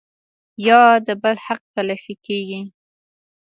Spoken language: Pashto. يا د بل حق تلفي کيږي